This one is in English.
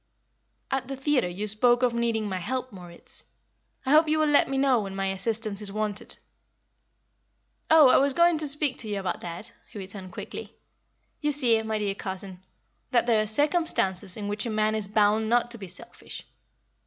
"At the theatre you spoke of needing my help, Moritz. I hope you will let me know when my assistance is wanted." "Oh, I was going to speak to you about that," he returned, quickly. "You see, my dear cousin, that there are circumstances in which a man is bound not to be selfish.